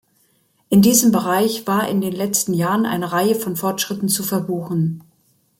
In diesem Bereich war in den letzten Jahren eine Reihe von Fortschritten zu verbuchen.